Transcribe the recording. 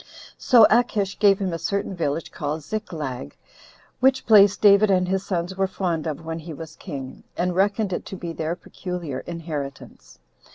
So Achish gave him a certain village called Ziklag; which place David and his sons were fond of when he was king, and reckoned it to be their peculiar inheritance.